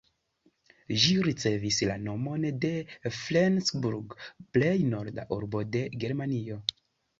Ĝi ricevis la nomon de Flensburg, plej norda urbo de Germanio.